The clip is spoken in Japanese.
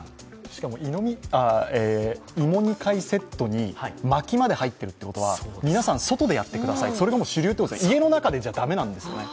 しかも、芋煮会セットに薪まで入っているということは皆さん、外でやってください、それが主流ということなんですね。